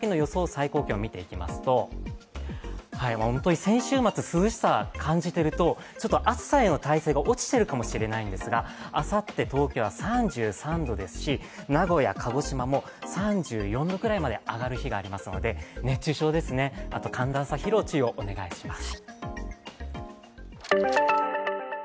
最高気温を見ていきますと、先週末、涼しさ感じてると、暑さへの耐性が落ちているかもしれないんですがあさって東京は３３度ですし、名古屋鹿児島も３４度ぐらいまで上がる日がありますので熱中症ですね、あとは寒暖差疲労、注意をお願いします。